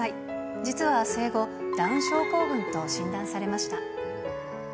実は生後、ダウン症候群と診断されました。